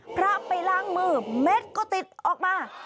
พระไปล้างมือเม็ดก็ติดออกมา